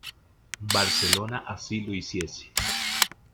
Barcelona así lo hiciese.